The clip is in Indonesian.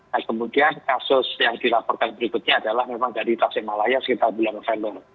nah kemudian kasus yang dilaporkan berikutnya adalah memang dari tasik malaya sekitar bulan juli